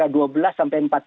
yang kita bisa menikmati adalah